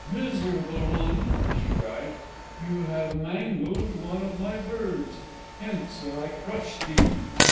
"Miserable one!" she cried, "you have mangled one of my birds. Hence, or I crush thee!"